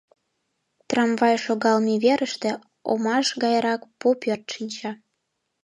Трамвай шогалме верыште омаш гайрак пу пӧрт шинча.